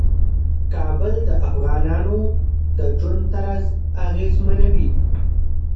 کابل د افغانانو د ژوند طرز اغېزمنوي.